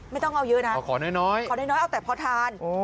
ไม่ต้องเอาเยอะนะขอน้อยขอน้อยเอาแต่พอทาน